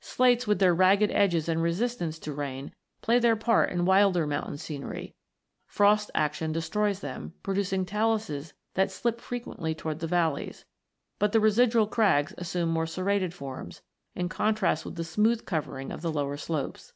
Slates, with their ragged edges and resistance to rain, play their part in wilder mountain scenery. Frost action destroys them, producing taluses that slip frequently towards the valleys ; but the residual crags assume more serrated forms, in contrast with the smooth covering of the lower slopes.